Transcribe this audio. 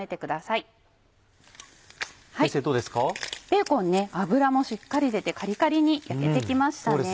ベーコン脂もしっかり出てカリカリに焼けて来ましたね。